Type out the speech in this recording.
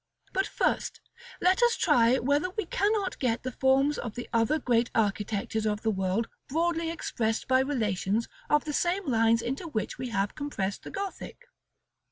But, first, let us try whether we cannot get the forms of the other great architectures of the world broadly expressed by relations of the same lines into which we have compressed the Gothic.